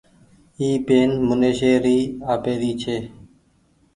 اي پين منيشي ري آپيري هيتي۔